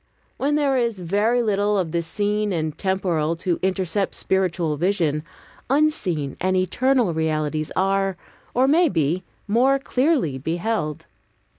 When there is very little of the seen and temporal to intercept spiritual vision, unseen and eternal realities are, or may be, more clearly beheld.